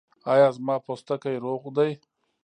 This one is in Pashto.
ایا زما پوټکی روغ دی؟